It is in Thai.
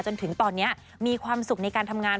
จนถึงตอนนี้มีความสุขในการทำงาน